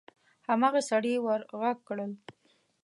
هماغه سړي ور غږ کړل: